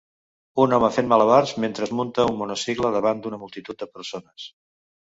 Un home fent malabars mentre munta un monocicle davant d'una multitud de persones.